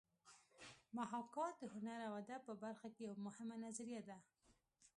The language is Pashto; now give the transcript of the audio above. محاکات د هنر او ادب په برخه کې یوه مهمه نظریه ده